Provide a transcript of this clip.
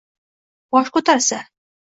Bosh ko’tarsa